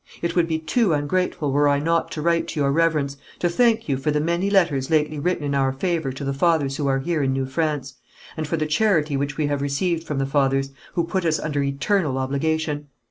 It would be too ungrateful were I not to write to your Reverence to thank you for the many letters lately written in our favour to the Fathers who are here in New France, and for the charity which we have received from the Fathers, who put us under eternal obligation.